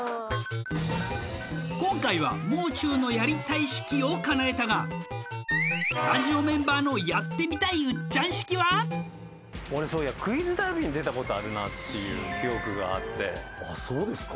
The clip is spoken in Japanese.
今回はもう中のやりたい式をかなえたがスタジオメンバーの俺そういや「クイズダービー」に出たことあるなっていう記憶があってあっそうですか